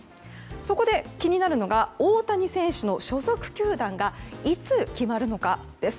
そこで気になるのが大谷選手の所属球団がいつ決まるのかです。